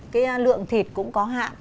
cái lượng thịt cũng có hạn